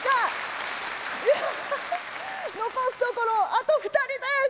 残すところあと２人です。